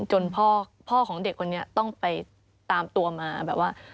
จนพ่อของเด็กคนนี้ต้องไปตามตัวมาแบบว่า